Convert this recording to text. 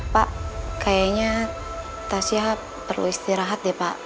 pak kayaknya tasya perlu istirahat deh pak